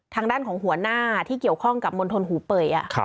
ทางด้านของหัวหน้าที่เกี่ยวข้องกับมณฑลหูเป่ย